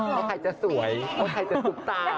เข้าใครจะสวยเข้าใครจะจุกตา